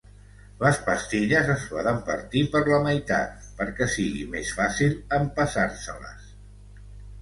Les pastilles es poden partir per la meitat perquè sigui més fàcil empassar-se-les.